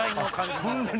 そんなに？